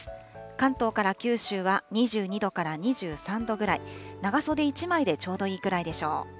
関東から九州は２２度から２３度ぐらい、長袖１枚でちょうどいいくらいでしょう。